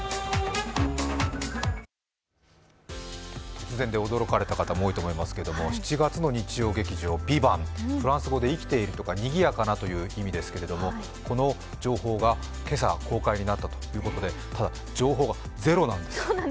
突然で驚かれた方も多いと思いますけど、７月の日曜劇場「ＶＩＶＡＮＴ」、フランス語で、生きているとかにぎやかなという意味ですけどこの情報が今朝公開になったということで、ただ、情報がゼロなんですよ。